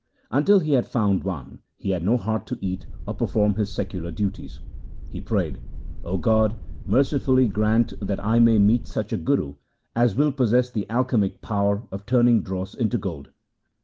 Until he had found one, he had no heart to eat or perform his secular duties. He prayed, ' O God, mercifully grant that I may meet such a guru as will possess the alchemic power of turning dross into gold.'